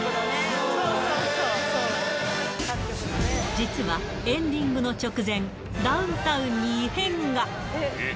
実はエンディングの直前、ダウンタウンに異変が。